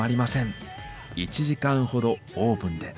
１時間ほどオーブンで。